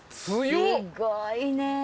すごいね。